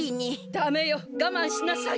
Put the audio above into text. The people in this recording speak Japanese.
ダメよがまんしなさい。